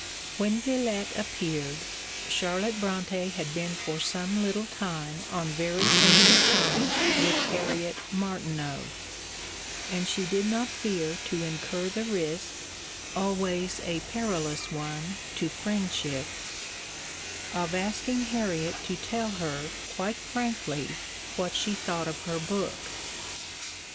When Villette appeared, Charlotte Brontë had been for some little time on very friendly terms with Harriet Martineau: and she did not fear to incur the risk always a perilous one to friendship of asking Harriet to tell her, quite frankly, what she thought of her book.